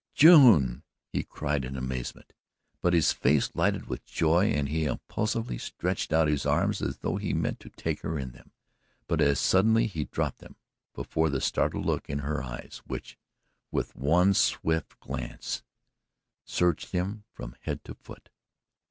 "June!" he cried in amazement, but his face lighted with joy and he impulsively stretched out his arms as though he meant to take her in them, but as suddenly he dropped them before the startled look in her eyes, which, with one swift glance, searched him from head to foot.